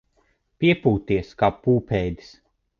Piepūties kā pūpēdis.